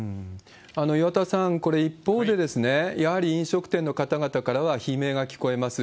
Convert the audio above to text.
岩田さん、これ一方で、やはり飲食店の方々からは悲鳴が聞こえます。